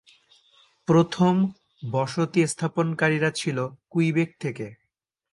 প্রথম বসতি স্থাপনকারীরা ছিল কুইবেক থেকে।